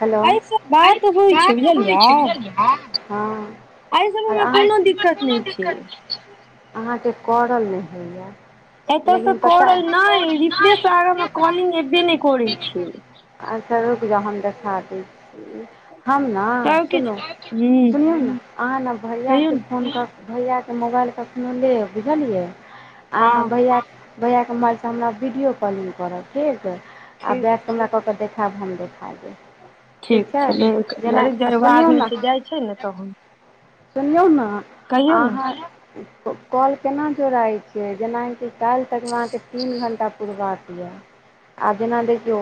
hello एहि सब अरे बात होइ छै बात हो बुझलियै छैल ह एहि सब आ मे अहाँ कोनो दिक्कत कोनो नहि छै दिक्कत नय छै अहाँके करल नय होइए एतय से लेकिन पता कर नहि रिफ्रेश आग मे कॉलिंग एबे नय करै छै आच्छा रुक जा हम देखा दै छी हम ने तब सुन किछ हूँ सुनयो ने अहाँ ने भैया कहियौ के ने फोन क भैयाके मोबाइल कखनो लेब बुझलियै हँ अहाँ भैया के भैया के मोबाइलसँ हमरा वीडियो कॉलिंग करब ठीक आ ठीक बैक छै कमरा क के हमरा क के देखैब हम देखा देब ठीक छै ले अरे जरबाद छैलै आदमी छै जाइ छै ने तहन सुनयो ने कहियौ ने अहाँ कॉल केना जोड़ै छियै जेनाकि काल्हि तक में अहाँके तीन घण्टा पुरबाक य आ जेना देखियौ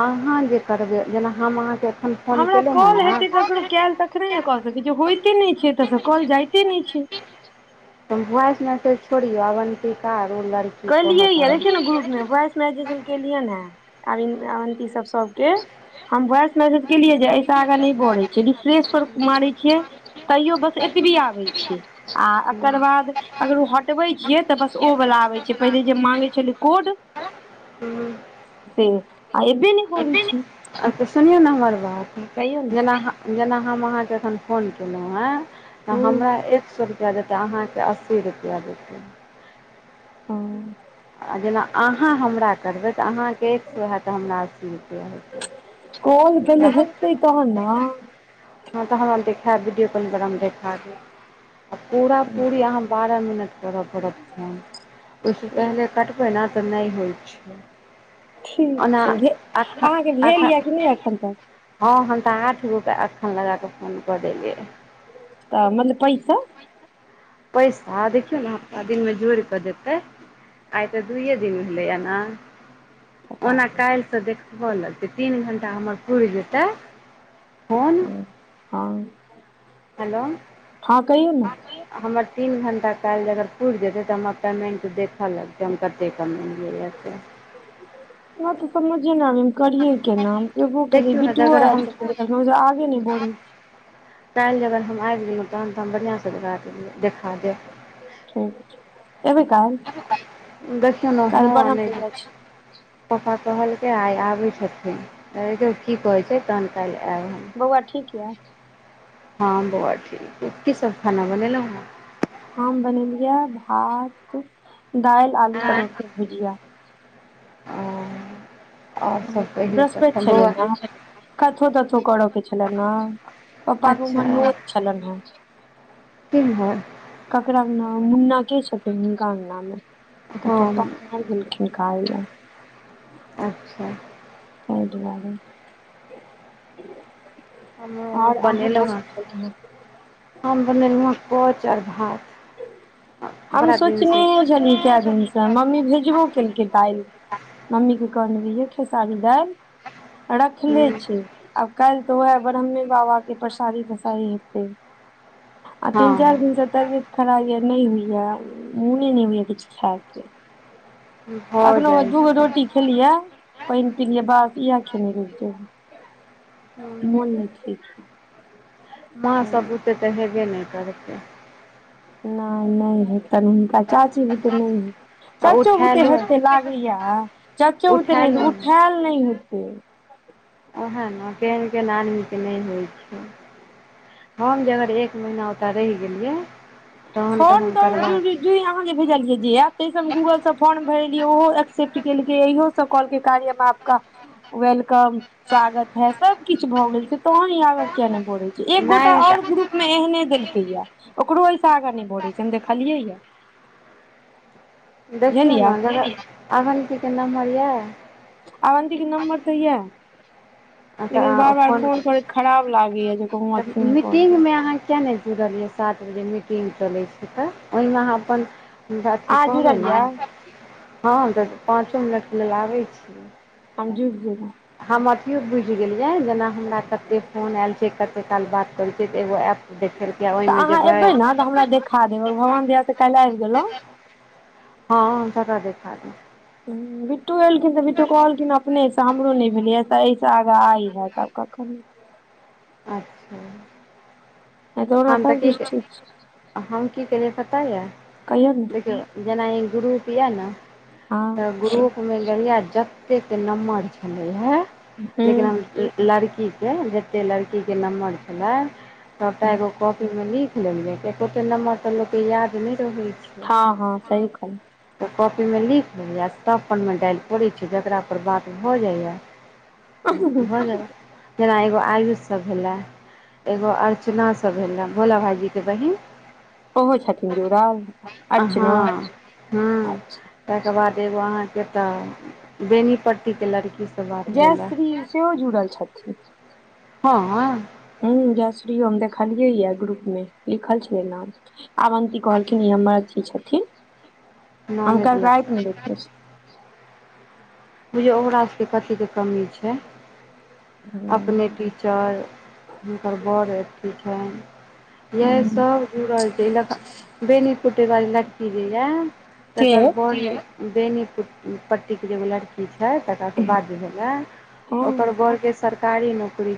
अहाँ जे करबै जेना हम अहाँके एखन फोन हमरा केलहुँ हेँ कॉल हेतै ककरो ने कयल तखने ने क सकै छी होइते नय छै एतय सँ कॉल जाइते नय छै त वॉइस मेसेज छोड़ियौ अवन्तिका लड़की केलियै कहत य देखियौ ने ग्रुपमे अहाँके वॉइस मेसैज केलियैन हन अवन्ती सब सब के हम वॉइस मैसेज केलियै जे एहि ऐसे आगाँ नय बढ़ै छैयै रिफ्रेश पर मारै छियै तैयो बस एतबी आबै छी आ एकर बाद अगर ओ हटवे छियै त बस ओ बला आबे छै पहिले जे माँंगे छलै कोड से एबे ने अछ सुनियौ ने हमर बात कहियौ ने जेना हम अहाँके एखन फोन केलहुँ हँ त हमरा एक सए रुपैआ देतै अहाँके अस्सी रुपैया देतै ओ आ जेना अहाँ हमरा करबै त अहाँके एक सौ होइत हमरा अस्सी रुपैया हेतै कोल पहने हतै तह ने हँ त हमरा देखेब वीडियो कालिंग करब हम देखा देब आ पूरा पूरी अहाँ बारह मिनट कर पड़त फोन ओहिसँ पहिले कटबै ने तऽ नय होइ छै ओना ठीक छै आख अहाँके आक भेल यए कि नहि एखन तक हँ हम तऽ आठ गो के एखन लगाकऽ फोन कऽ देलियै तऽ मतलब पैसा पैसा देखियौ ने हप्ता दिनमे जोड़ि कऽ देतै आइतऽ दुइे दिन भेलै न पता ओना नहि काल्हि त देखबऽ लगतै तीन घण्टा हमरा पुइर जेतै कोन हँ हँ हैलो कहियौ ने हमर तीन घण्टा काल्हि जे अगर पूइर जेतै तऽ हमरा पेमेन्ट देख लगतैन कते कमेलिय है से हमरा तो समझे ना अवैया करिये केना एबो केलै देखियौ ने बिटुओ अगर आयल हम छथिन आगे नइ बढ़ै काल्हि जन हम आइब गेलहुँ तहन त हम बढ़िआँ सँ भाय गेले देख ठीक छै एबे काल देखियौ ने काल्हि हाँ ब्रह्म नय पूजा पापा कहलक आइ आबे छथिन की कहे छै तहन काल्हि एब बौआ ठीक यै हँ बौआ ठीक अए की सब खाना बनेेलौं ह हम बनेलियै भात दाइल आलू आँय परोर के भुजिया ओ आओर सब कहियौ वृहस्पति तखन छै ने बौआ आइ कथो तथो करऽ के छलनि ने पप्पा के उम्हर अच्छा नौत छलन ह तीन हैन ककरा अंगना मुन्ना के छथिन हुनका अंगनामे तऽ हम थटा आ गेलखिन काइला अच्छा तइ दुआरे हमरो आर अहाँ की बनेलहुँ सब हँ छलल हमर [unintelligible] हम बनेलहुँ हँ अरकोच और भात हम बड़ा दिन से सोचनेहे छली कैय दिन सँ मम्मी भेजबो केलकै दालि मम्मी कऽ कहने रहिये खेसारी दालि रखने हूँ छी आब काल्हि तऽ ओएह ब्रह्ममे बाबा केँ परसादी तरसादी हेतै आ तीन चार हँ दिन से तबियत खेनाइ यर नइ होइ य मोने नइ होइ य किछ खाय केँ भऽ अखनो जाइ दू गो छै रोटी खेलिये पाइन पिलियै बस इहे खेने रहि जेबै हूँ मोन नइ छै ठीक माँ ये सब बुते तऽ हेबे नइ करतै नइ नइ हेतैन हुनका चाची बुते नइ हे आ चच्चो बुते उठेलु हेते लागै य चच्चो बुते नइ उठेलु उठायल नइ हेतै ओएह नऽ केहन केहन आदमी केँ नइ होइ छै हम जे अगर एक महीना ओतय रहि गेलियै तहन तऽ हम करबा यो अहाँ जे भेजलियै जे आयब ते सँ हम गूगल सँ फॉर्म भरेलिय ओहो एक्सेप्ट केलकै इहो [unintelligible] कहलकै कार्यमे आपका [inaudible] वेलकम स्वागत है सब किछ भए गेल छै तहन इ आगा किया नइ बढ़ै छै एक गोटा नहि और तऽ ग्रुप मे एहने देलकै या ओकरो ऐसा आगा नइ बढ़े छै हम देखलिये या देखियौ नऽ बुझलियै जगह अवन्ति केँ नम्मर य आवन्ति केँ नम्बर तऽ यऽ लेकिन तऽ बार बार फोन करैत खराब लागैया जे कहूँ अथी करू नहि करी मीटिंग मे अहाँ किए नइ जुड़लियै सात बजे मीटिंग चलै छै तऽ ओइमे अहाँ अपन हँ तऽ अथी अहाँ कहबै जुड़ल ने यए हम तऽ पाँचो मिनट लेल आबै छियै हम जुर जेबै हम अथियो बुझि गेलियै जेना हमरा कते फोन आयल छै कते काल बात करै छियै तऽ एगो एप्प देखेलकै तऽ ओहिमे अहाँ जेबै एबै ने हमरा देखा देबभगवान दया सँ काल्हि आबि गेलहूँ हँ सबटा देखा देब बिटु एलखिन तऽ बिटु कहलखिन आब अपनेसँ हमरो नहि भेलै तऽ एहिसँ आगा आइ हैत आब कखन अच्छा नहि ओना हम तऽ की सभकिछु ठीक छै हम की केलियै पता यऽ कहियौ ने देखियो जेना ई ग्रुप यऽ नऽ हँ तऽ ग्रुप एहिमे जहिया जतेक नम्बर छलै है लेकिन हूँ हम लड़की केँ जते लड़की केँ नम्बर छलै ओकरा एगो कॉपी मे लिख लेलियै कियकि ओते नम्बर तऽ लोक कऽ याद नइ रहै छै हँ हँ सही कहलहुँ हँ तऽ कॉपीमे लिख लेलियै सब परमे डाएल करै छी जकरा पर बात भऽ जाइए भऽ गेलै जेना एगो आयुषसभ भेलै एगो अर चना सँ भेलै भोला भाइजीकेँ बहिन ओहो छथिन जुड़ल अर्चनो अच्छा ताहि केँ बाद एगो अहाँकेँ तऽ बेनीपट्टी केँ लड़की जयश्री सेहो जुड़ल छथिन हँ हँ जयश्रीके हम देखलियै य ग्रुप मे लिखल छलै नाम आवन्ती कहलखिन ई हमर अथी छथिन हम ननैद कल राइत लगता मे देखने बुझियौ ओकरा सबके कथीके कमी छै अपने टीचर हुनकर बड़ अथी छइन इएहसब जुड़ल छै बेनी कुटेवाली लड़की जे ये के तकर बर बेनीपट्टीके जे एगो लड़की छै तकरा बाद जे भेलै हँ ओकर बरके सरकारी नौकरी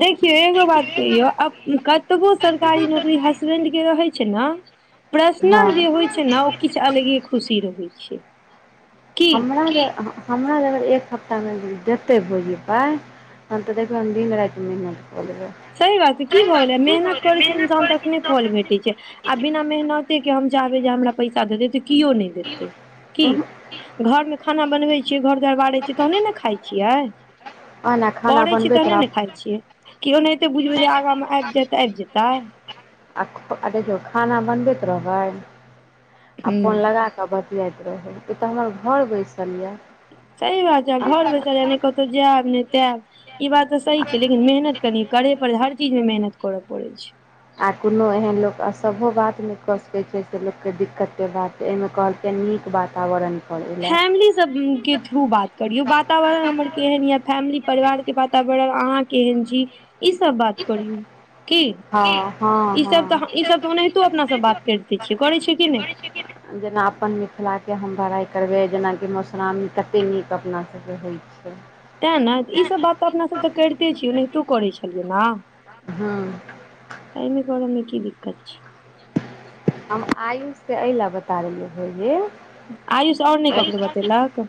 देखियौ एगो बात कहियौ आब कतबो सरकारी नौकरी ह हसबेंड के रहै छै ने हँ पर्सनल जे होइ छै ने ओ किछ अलगे खुशी रहै छै की हमरा जे हमरा जे अगर एक सप्ताहमे जेतै भौजी पाइ ह तऽ देख हम भीराट मलबै सही बात की भऽ गेलै मेहनत करै छै इंसान तक नय फल भेटैत छै आ बिना मेहनते के हम चाहबै जे हमरा पैसा देते तऽ किओ नय देते उहूँ क घरमे खाना बनबै छियै घर दरबारैत छियै तहने ने खाइ छियै ओना खाना करै छी बनबैत तहने ने रहब खाइत छियै कियो नय एतै बुझबै जे आगाँमे आइब जाय तऽ आइब जेतै आ आ देखियौ खाना बनबैत रहबै आ फोन हूँ लगाऽ ऽ बतियाइत रहै ई तऽ हमर घर बैसल यऽ स बात घर बैचार नइ कत जाब ने तब ई बात ते सही छै लेकिन मेहनत कनि करे पड़ हर चीज में मेहनत करऽ पड़े छै आ कोनो एहन लोक असबो बात नय कऽ सकैत छै से लोककेँ दिक्कते बात त एहिमे कहलकै नीक वातावरण करय लए फैमिली सबके थ्रू बात करियौ वातावरण हमर केहन यए फैमिली परिवारके वातावरण अहाँ केहन छी ई सब बात करियऔ की हँ हँ हँ ईसब तऽ ईसब तऽ ओनाहितो अपनासँ बात कइर दै छियै करै छियै कि नय जेना अपन मिथिलाके हम भड़ाइ करबै जेनाकि मधुश्रावणी कते नीक अपना सबके होइआ अ तैँ ने ईसब बात तऽ अपनासब तऽ करिते छियै ओनाहितो करै छलियै ने हँ तमे कोमे की दिक्कत छी हम आयुष से एहि लए बता देलियै भौे आयुष आओर नय ककरो बतेलक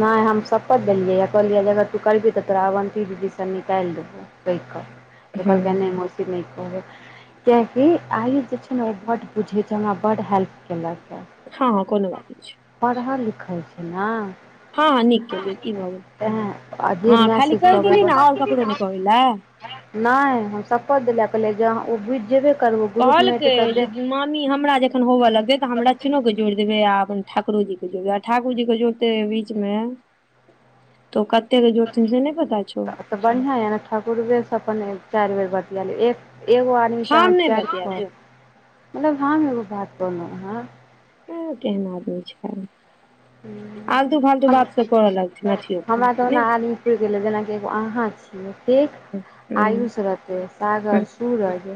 नय हम शपथ देलियै ह कहलियै जे अगर तू करिही तऽ तोरा अवन्ती दीदीसँ निकाइल देबौ कै क त कहलकै नय मशीद नहि कह कियैकि आयुष जे छै ने ओ बहुत किुछुच हमा बड हेल्प केलँ हँ हँ कोनो बात नय छै पढ़ल लिखै छै ने हँ हँ नीक केलियै की भऽ गेल ह हँ खाली कहि देलियै आजीखब ने आओर ककरो नहि कहै लए नय हम शपत द ल कहलै ज ओ बुइझ जेबे करबै ग्रुपमे कहलकै एतै तऽ जे दे हमरा जखन होबऽ लगे तऽ हमरा क के जोड़ देबै आ अपन ठाकुर जी के जड़ देब आ ठाकुर जी के जोड़ते बीचमे त कत्य के जोरथि से नय पता छौ तऽ बढ़िआँ यऽ ने ठाकुरबेसँ अपन चाइर बेर बतिआएलहुँ एक एगो आदमी से अह हम नहि चढ़ बतियाएब जो मतलब हम एगो बात कहलहु हं ह केहन आदमी छै आलतू फालतू बात सब कर लागत न छिय नय फि गेलै जेनाकि ए अहाँ त आयुष हूँ रत सागर सूरज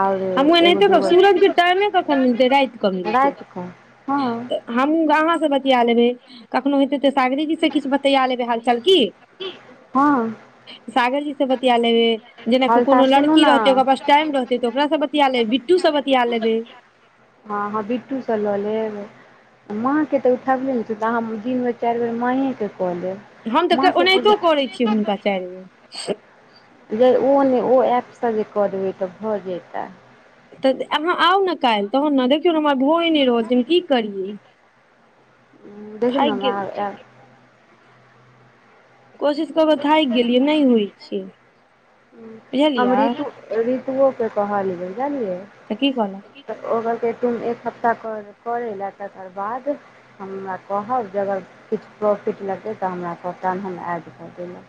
ओर हमहूँ एगो एनाहिते द कहब सूरजके टाइमे कखन मिलतै र हँ हमूँ अहाँ से बतिया लेबै कखनो हेतै त सागरीेजी से किछ बतिया लेबै हालचाल की हँ सागरजी से बतिया लेबे जेनाक हल्का कोनो सुनू लड़की ने रहतै ओकरा ब टाइम रहतै तऽ ओकासँ बतिया लेबै बिटू सब बतिया लेबै हँ हँ बिट्टूसँ लऽ लेब माँके तऽ उठबले नय छै तऽ अहाँ दिन बेर चाइर बेर माँके कऽ लेब हम तऽ ओनाहितो करै छियै हुनका माँके चाइर बे जे ओ नय ओ ऐपसँ जे कर देबै तऽ भऽ जेताै तऽ अहाँ आउ ने काल्हि तहन ने देखियौ ने हमर भोए नय रहल छै हम की करियै द थाकि नामा गेलियै कोशिश करबै थाकि गेलियै नय होइ छी हमु तुओके कहलियै जानलियै तऽ की कहल ओल तुम एक हप्ता कर ले ल तकर बाद हम हमरा कहब जे अगर किछ प्रॉफिट लगतै तऽ हमरा कहताहन हम ड कऽ देलहुँ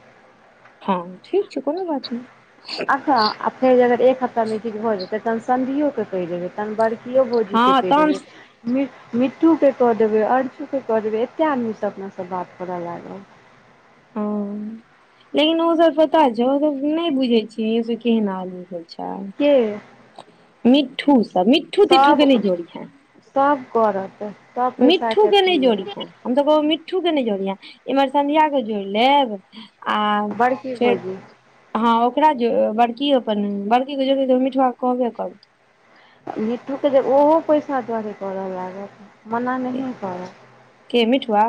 हँ ठीक छै कोनो बात नय फेर अगर एक ह्ता मीटिंग भऽ जेतै तन सि के पि जेबै त ब कओ भोजीे हँ पे दे तहन मिट्टूके कऽ देबै अरछूके कऽ देबै एतेक आदमीसँ अपनासँ बात करऽ लागल हँ लेकिन ओ सब पता छौ सब नय बुझे छी सब केहना आदमी सब छै क मिठ्ठू सब मिठ सब सब करतै मिठ्ठू के नय जोड़ी हैं हम तऽ कह मिट्ठू के नय जोड़िये इम्हर संन्याके जोइड़ लेब आ बड़की फेर भौजी हँ ओकरा ज बड़की अपन बड़की के जोड़ी मीठुआ कहबे करै मिट्ठू के जे ओहो पैसा दारी करय लागत मना के नहियें करै के मिठुआ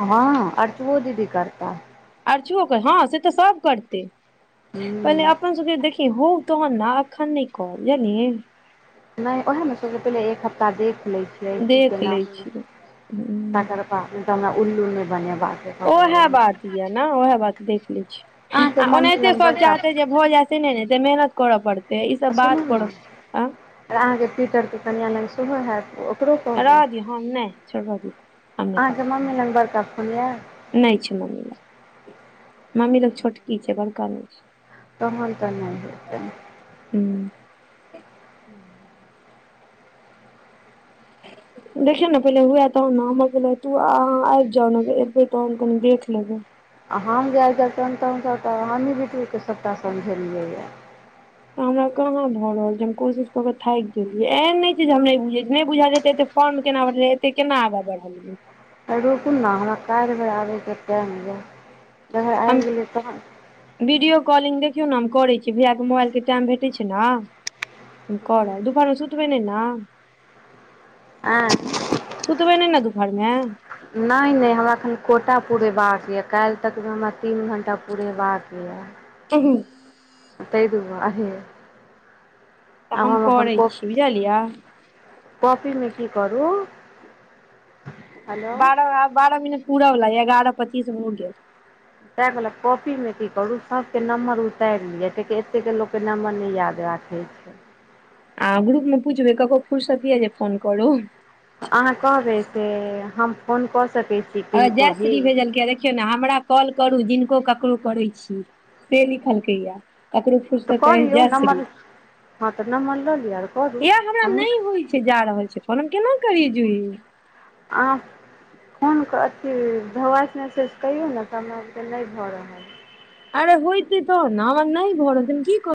हँ अर्चो दीदी करता अरछु कर हँ से तऽ सब करतै पहिले हूँ अपन सब के देखिहि हौ तहन ने आखान नय कह जानी नय उएहमे सबसँ पहिले एक हफ्ता देख लै छियै की देख केना लै होइ छियै तकर बाद तऽ हमरा उल्लू नय बनेबाक अइछ ओएह बात य ने ओएह बात देख ले छी अहाँके आ मम्मी ओनाहिते लग सब बड़का चाहते जे भ जैत से नै ने मेहनत करऽ पड़तै ई सब आ सुनू बात ने करऽ आ अहाँके पीटर तऽ कनआ ल सेहो हैत रहऽ दियौ हम नहि छोड़ रहऽ दियौ अहाँ के मम्मी लग बड़का फोन यै नय छै मम्मी लग मम्मी ल छोटकी छै बड़का नय छै तहन तऽ नहि हेतै हूंम्म [inaudible] देखियौ ने पहिले हुए तहन ने हमर गेलौं तू अहाँ आबि जाउ ने एबै तहन कनी देख लेबै आ हम जाए जनि तऽ हमसभ तऽ ही बटीके सभटा समझेलियैए हमरा कहाँ भऽ रहल छै हम कोशिश कऽ कऽ थाकि गेलियै एहन नहि छै जे हम नहि बुझैत छियै नहि बुझा जेतै तऽ फोर्म केना बढ़लै एते केना आगा बढ़लियै तऽ रुकू ने हमरा काल्हि भर आबै के टाइम यऽ अगर आबि हम गेलियै तहन वीडियो कॉलिंग देखियौ न हम करै छी भैया के मोबाइल के टाइम भेटैत छै ने तऽ हम करब दुपहर मे सुतबै नहि न आइ सुतबै नहि ने दुपहर मे नहि नहि हमरा एखन कोटा पुरेबाक यए काल्हि तकमे हमरा तीन घण्टा पुरेबाक य [inaudible] तै दुआरे तऽ हम करै छी बुझलियै कौपी मे की करु बारह बारह मिनट पूर वला ये एगारह पच्चीस हो गेल तै कहलक कॉपी मे की करु सब के नम्बर उतारि लिय कियेकि एतेके लोक के नंबर नहि याद राखै छै आ ग्रुप मे पूछबै ककरो फुर्सत यै जे फोन करू अहाँ कहबै से हम फोन कऽ सकैत छी हँ किनको जय भी श्री भेजलकै ये देख देखियौ ने हमरा कॉल करू जिनको ककरो करै छी से लिखलकैये ककरो तऽ फुुरसत कऽ अहि दियौ जय श्री नम्बर हँ तऽ नम्बर लऽ लिअ आओर करू यै हमरा हमहूँ नहि होइ छै जा रहल छै फोन हम केना करीयै जुही आ फोन के अथि भोइस मेसेज करीयौ ने हमरा सब के नहि भऽ रहल ये अरे होइते तऽ न नहि भऽ रहल छै हम की करियै